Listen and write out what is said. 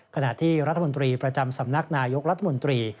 ขณะที่รัฐมนตรีประจำสำนักนายกรัฐมนตรี